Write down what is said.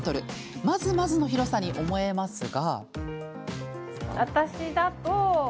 まずまずの広さに思えますが。